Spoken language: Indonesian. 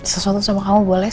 sesuatu sama kamu boleh